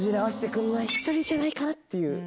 じゃないかなっていう。